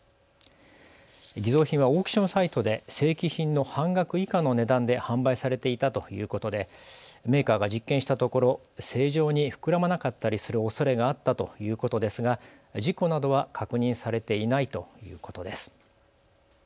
偽造品はオークションサイトで正規品の半額以下の値段で販売されていたということでメーカーが実験したところ正常に膨らまなかったりするおそれがあったということですが事故などは確認されていないということです。